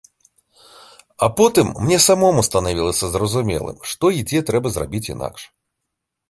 А потым мне самому станавілася зразумелым, што і дзе трэба зрабіць інакш.